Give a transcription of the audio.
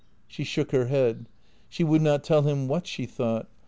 " She shook her head. She would not tell him what she thought.